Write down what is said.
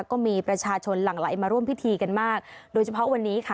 ก็มีประชาชนหลั่งไหลมาร่วมพิธีกันมากโดยเฉพาะวันนี้ค่ะ